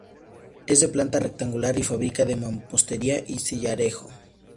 Es de planta rectangular y fábrica de mampostería y sillarejo.